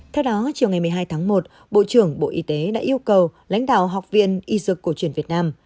theo đó chiều ngày một mươi hai tháng một bộ trưởng bộ y tế đã yêu cầu lãnh đạo học viện y dược cổ truyền việt nam